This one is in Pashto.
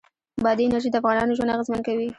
بادي انرژي د افغانانو ژوند اغېزمن کوي.